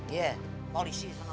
iya polisi sama bawah